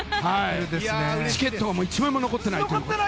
チケットが１枚も残っていないと。